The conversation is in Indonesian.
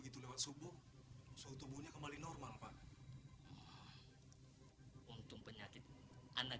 ya itu juga kalau kamu bayar pada minggu pertama